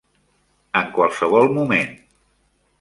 En qualsevol moment.